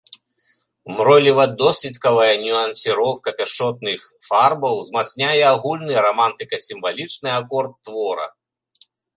Мройліва-досвіткавая нюансіроўка пяшчотных фарбаў узмацняе агульны рамантыка-сімвалічны акорд твора.